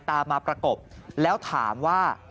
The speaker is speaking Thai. ตามมาประกบแล้วถามว่า